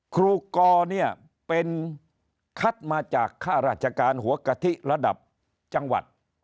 ครูกอเนี่ยเป็นคัดมาจากค่าราชการหัวกะทิระดับจังหวัด